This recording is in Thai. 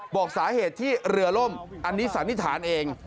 บอกสาเหตุที่เรือล่มอันนี้สันนิษฐานเอง